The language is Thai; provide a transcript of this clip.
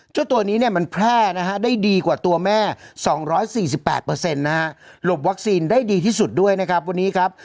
เจ้าตัวนี้มันแพร่ได้ดีกว่าตัวแม่๒๔๘เปอร์เซ็นต์นะครับหลบวัคซีนได้ดีที่สุดด้วยนะครับวันนี้ครับ